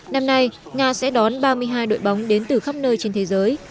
năm nay nga sẽ đón ba mươi hai đội bóng đến từ khắp nơi trên thế giới